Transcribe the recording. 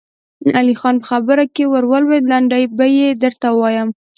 علی خان په خبره کې ور ولوېد: لنډه به يې درته ووايم.